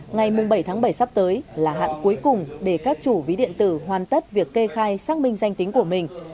ngày bảy tháng bảy sắp tới là hạn cuối cùng để các chủ ví điện tử hoàn tất việc kê khai xác minh danh tính của mình